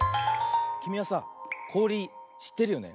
きみはさこおりしってるよね？